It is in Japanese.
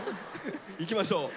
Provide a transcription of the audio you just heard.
いきましょう。